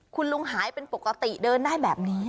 คุณลุงหายเป็นปกติเดินได้แบบนี้